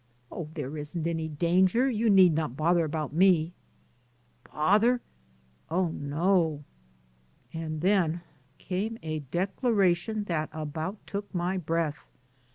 "Oh, there isn't any danger ; you need not bother about me." "Bother? Oh, no." And then came a declaration that about took my breath.